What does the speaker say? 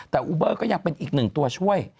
แต่อูเบอร์ก็ยังเป็นอีกหนึ่งตัวช่วย